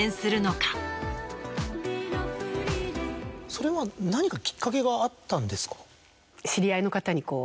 それは何かきっかけがあったんですか？